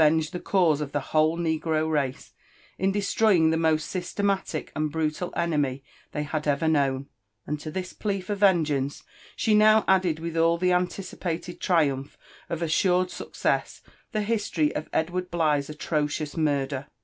iSi the cause of the whole negro race, in destroying the most syste matic and brutal enemy they had ever known ; and to this ple^ ttft vengeance she new added, with all the anticipated triumph of assured success, the history of Edward Bligh's atrocious murder.